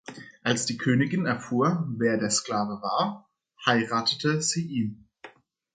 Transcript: Als die Königin erfuhr, wer der Sklave war, heiratete sie ihn.